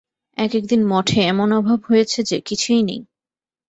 এক একদিন মঠে এমন অভাব হয়েছে যে, কিছুই নেই।